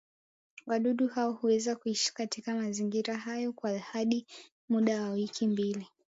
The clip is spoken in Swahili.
wadudu hao huweza kuishi katika mazingira hayo kwa hadi muda wa wiki mbili